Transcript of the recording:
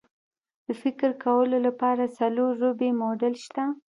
د فکر کولو لپاره څلور ربعي موډل شته.